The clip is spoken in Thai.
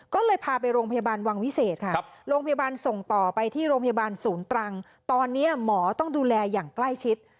ก็เลยพาไปโรงพยาบาลวังวิเศษค่ะโรงพยาบาลส่งต่อไปที่โรงพยาบาลศูนย์ตรังตอนนี้หมอต้องดูแลอย่างใกล้ชิด